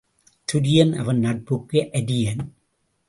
துரியன் அவன் நட்புக்கு அரியன்.